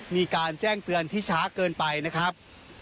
มีการแจ้งเตือนที่ช้าเกินไปนะครับ